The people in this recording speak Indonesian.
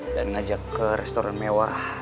dan ngajak ke restoran mewarah